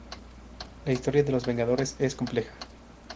La historia de los Vengadores es compleja.